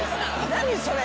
何それ。